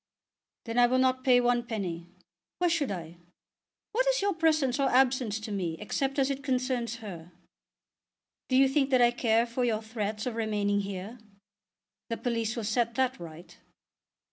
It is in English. "Then I will not pay one penny. Why should I? What is your presence or absence to me except as it concerns her? Do you think that I care for your threats of remaining here? The police will set that right."